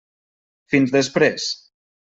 Fins després.